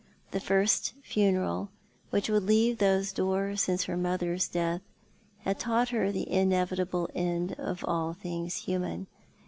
The first funeral which would leave those doors since her mother's death had taught her the inevitable end of all things human.